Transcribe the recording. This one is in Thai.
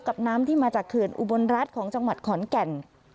น้ำที่มาจากเขื่อนอุบลรัฐของจังหวัดขอนแก่น